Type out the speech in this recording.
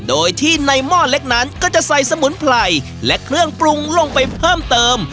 โดยที่ในหม้อเล็กนั้นก็จะใส่สมุนไพรและเครื่องปรุงลงไปเพิ่มเติม